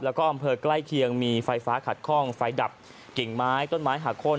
แล้วก็อำเภอใกล้เคียงมีไฟฟ้าขัดข้องไฟดับกิ่งไม้ต้นไม้หักโค้น